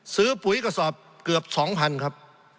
ปุ๋ยกระสอบเกือบ๒๐๐๐ครับ